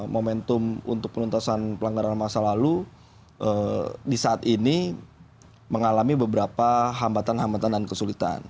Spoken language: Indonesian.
momentum untuk penuntasan pelanggaran masa lalu di saat ini mengalami beberapa hambatan hambatan dan kesulitan